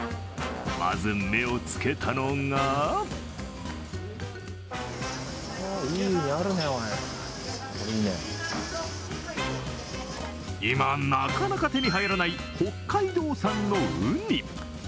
まず、目を付けたのが今なかなか手に入らない北海道産のウニ。